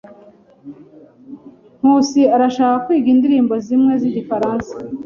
Nkusi arashaka kwiga indirimbo zimwe zigifaransa.